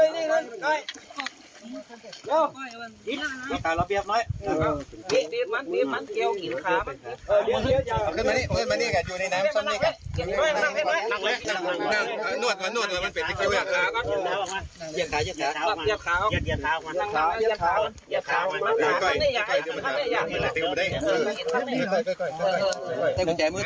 ใส่กุญแจมือต่อแล้วเบี้ยบ